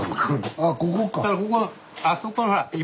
ああここか。